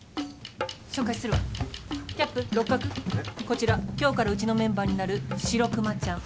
こちら今日からうちのメンバーになる白熊ちゃん。